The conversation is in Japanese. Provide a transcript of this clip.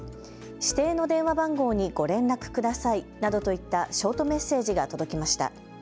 指定の電話番号にご連絡くださいなどといったショートメッセージが届きました。